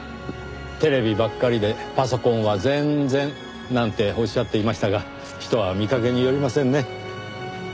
テレビばっかりでパソコンは全然なんておっしゃっていましたが人は見かけによりませんね。